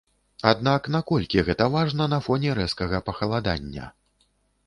Аднак наколькі гэта важна на фоне рэзкага пахаладання?